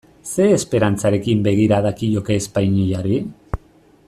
Zein esperantzarekin begira dakioke Espainiari?